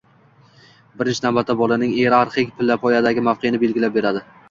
birinchi navbatda bolaning iyerarxik pillapoyadagi mavqeini belgilab beradi.